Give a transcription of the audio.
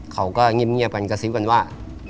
เขาก็เงียบกันกระซิบกันว่า